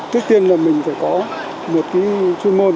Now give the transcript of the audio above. tiếp tiên là mình phải có một chuyên môn